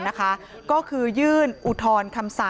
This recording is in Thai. จนสนิทกับเขาหมดแล้วเนี่ยเหมือนเป็นส่วนหนึ่งของครอบครัวเขาไปแล้วอ่ะ